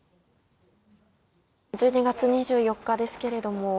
１２月２４日ですけれども。